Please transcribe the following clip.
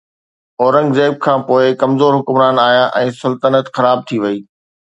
اورنگزيب کان پوءِ، ڪمزور حڪمران آيا، ۽ سلطنت خراب ٿي وئي.